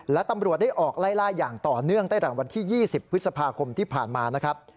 และตำรวจได้ออกไล่ล่าอย่างต่อเนื่องตั้งแต่หลังวันที่๒๐พฤษภาคมที่ผ่านมานะครับ